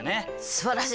すばらしい！